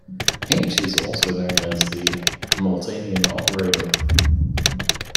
"H" is also known as the Hamiltonian operator.